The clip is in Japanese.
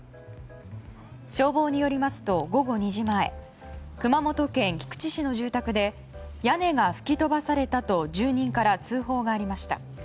消防によりますと、午後２時前熊本県菊池市の住宅で屋根が吹き飛ばされたと住人から通報がありました。